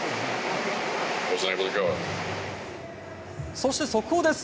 そして速報です。